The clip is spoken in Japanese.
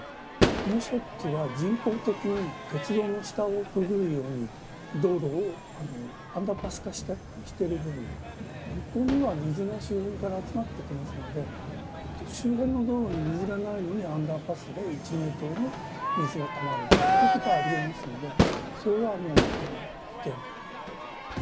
もう一つは、人工的に鉄道の下をくぐるように道路をアンダーパス化してる部分、ここには水が周辺から集まってきますので、周辺の道路に水がないのに、アンダーパスで１メートルの水がたまるということはありえますので、それは危険と。